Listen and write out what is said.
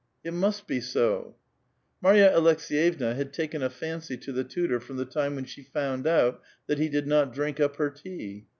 " It must be so." Marya Aleks^3*evna had taken a fancy to the tutor from the time when she found that he did not drink up her tea.